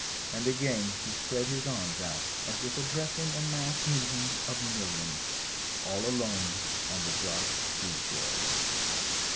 '* And again he spread his arms out, as if addressing a mass meeting of millions, all alone on the dark seashore.